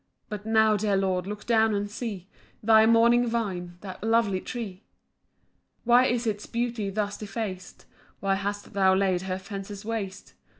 But now, dear Lord, look down and see Thy mourning vine, that lovely tree. 7 Why is its beauty thus defac'd? Why hast thou laid her fences waste?